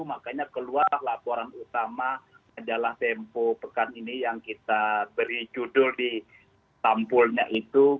makanya keluarlah laporan utama adalah tempo pekan ini yang kita beri judul di tampulnya itu